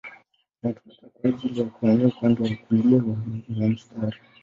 Inatumika kwa ajili ya kuhamia upande wa kulia mwa mstari.